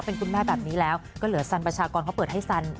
เป็นคุณแม่แบบนี้แล้วก็เหลือสันประชากรเขาเปิดให้สัน